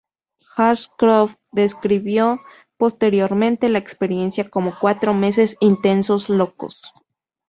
Ashcroft describió posteriormente la experiencia como "cuatro meses intensos, locos.